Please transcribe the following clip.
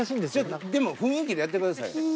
でも雰囲気でやってください。